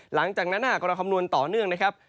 หลังจากนั้นหากเราคำนวณต่อเนื่องนะครับ